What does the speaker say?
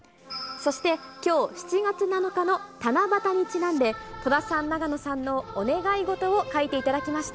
そして、きょう７月７日の七夕にちなんで、戸田さん、永野さんのお願い事を書いていただきました。